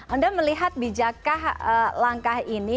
anda melihat bijakkah langkah ini